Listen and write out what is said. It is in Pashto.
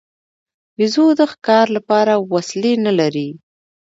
بیزو د ښکار لپاره وسلې نه لري.